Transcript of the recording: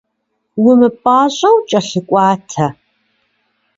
Умыпӏащӏэу кӏэлъыкӏуатэ.